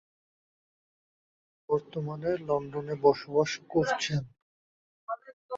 বর্তমানে লন্ডনে বসবাস করছেন।